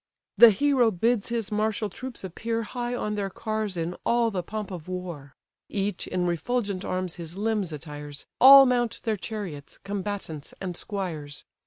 The hero bids his martial troops appear High on their cars in all the pomp of war; Each in refulgent arms his limbs attires, All mount their chariots, combatants and squires.